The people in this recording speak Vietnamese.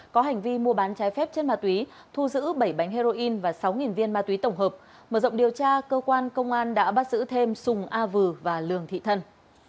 có hành vi mua bán trái phép chất ma túy thu giữ bảy bánh heroin và sáu viên ma túy tổng hợp mở rộng điều tra cơ quan công an đã bắt giữ thêm sùng a vừ và lường thị thân